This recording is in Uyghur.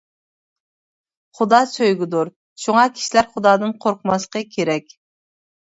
خۇدا سۆيگۈدۇر، شۇڭا كىشىلەر خۇدادىن قورقماسلىقى كېرەك.